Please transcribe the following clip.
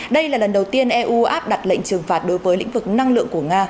đây là lần đầu tiên eu áp đặt lệnh trừng phạt đối với lĩnh vực năng lượng của nga